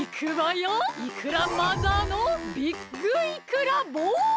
イクラマザーのビッグイクラボール！